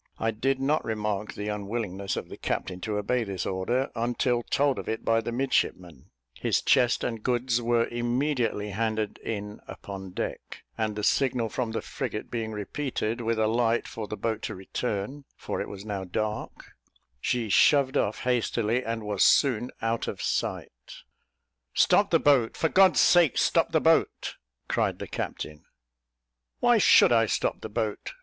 I did not remark the unwillingness of the captain to obey this order, until told of it by the midshipman; his chest and goods were immediately handed in upon deck, and the signal from the frigate being repeated, with a light for the boat to return (for it was now dark), she shoved off hastily, and was soon out of sight. "Stop the boat! for God's sake stop the boat!" cried the captain. "Why should I stop the boat?"